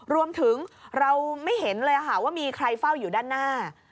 รวมถึงเราไม่เห็นเลยค่ะว่ามีใครเฝ้าอยู่ด้านหน้า